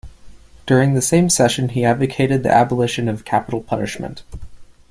During the same session he advocated the abolition of capital punishment.